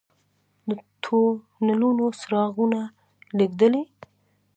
د تونلونو څراغونه لګیدلي؟